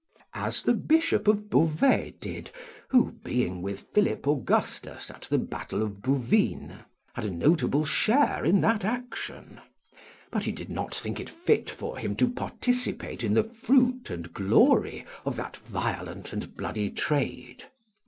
As the Bishop of Beauvais did, who being with Philip Augustus at the battle of Bouvines, had a notable share in that action; but he did not think it fit for him to participate in the fruit and glory of that violent and bloody trade.